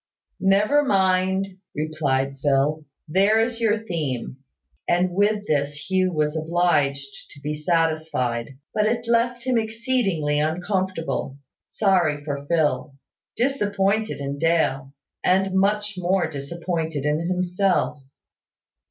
"Never mind!" replied Phil. "There is your theme." And with this Hugh was obliged to be satisfied; but it left him exceedingly uncomfortable sorry for Phil disappointed in Dale and much more disappointed in himself.